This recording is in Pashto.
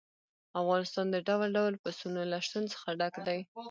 افغانستان د ډول ډول پسونو له شتون څخه ډک دی.